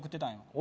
俺？